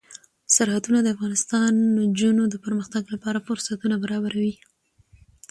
سرحدونه د افغان نجونو د پرمختګ لپاره فرصتونه برابروي.